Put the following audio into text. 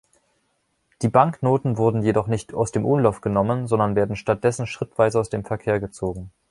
Die Banknoten wurden jedoch nicht aus dem Umlauf genommen, sondern werden stattdessen schrittweise aus dem Verkehr gezogen.